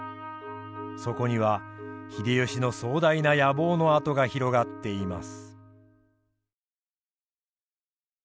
そこには秀吉の壮大な野望の跡が広がっています。